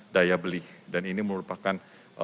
daya beli dan ini merupakan